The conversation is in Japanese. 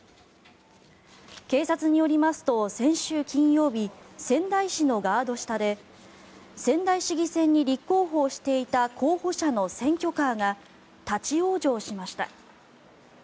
警察によりますと先週金曜日仙台市のガード下で仙台市議選に立候補していた候補者の選挙カーが立ち往生しました。